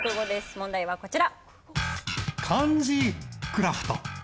問題はこちら。